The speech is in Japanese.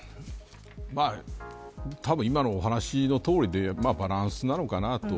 たぶん今のお話のとおりでバランスなのかなと。